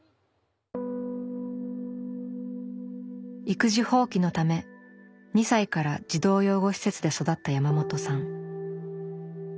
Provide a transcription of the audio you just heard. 育児放棄のため２歳から児童養護施設で育った山本さん。